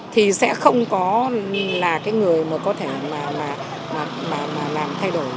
thì sẽ không có là người có thể làm thay đổi